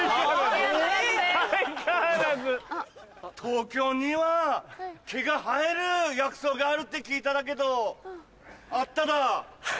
東京には毛が生える薬草があるって聞いただけどあっただ。